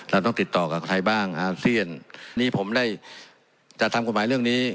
เราต้องติดต่อกับใครบ้างอาเซียนนี่ผมได้จะทำกฎหมายเรื่องนี้